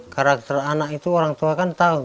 karakter anak itu orang tua kan tahu